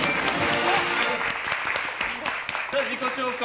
自己紹介